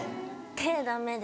手ダメです。